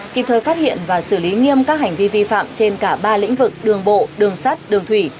kịp thời phát hiện và xử lý nghiêm các hành vi vi phạm trên cả ba lĩnh vực đường bộ đường sắt đường thủy